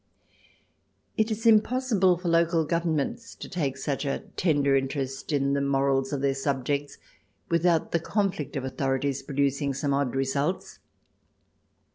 It is impossible for local governments to take such a tender interest in the morals of their subjects CH. XX] TRIER 285 without the conflict of authorities producing some odd results.